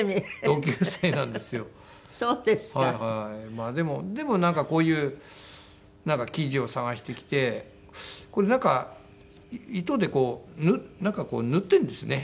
まあでもでもなんかこういう生地を探してきてこれなんか糸でこうなんか縫ってるんですね。